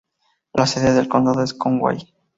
La sede del condado es Conway.